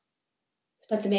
２つ目。